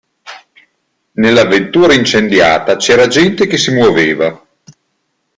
Nella vettura incendiata c'era gente che si muoveva.